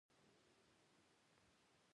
اسلامي بنسټپالنې احیا د درک وړ ده.